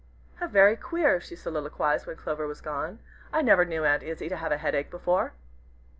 "How very queer!" she soliloquized, when Clover was gone; "I never knew Aunt Izzie to have a headache before."